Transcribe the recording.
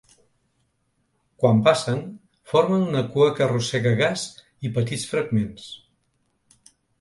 Quan passen, formen una cua que arrossega gas i petits fragments.